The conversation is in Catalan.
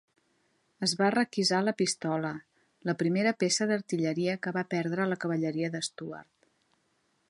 Es va requisar la pistola, la primera peça d'artilleria que va perdre la cavalleria de Stuart.